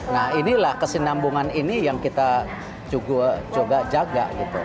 nah inilah kesinambungan ini yang kita juga jaga gitu